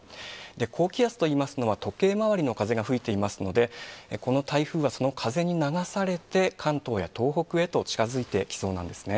高気圧といいますのは、時計回りの風が吹いていますので、この台風がその風に流されて、関東や東北へと近づいてきそうなんですね。